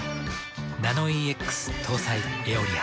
ナノイーＸ搭載「エオリア」。